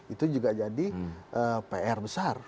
itu juga jadi pr besar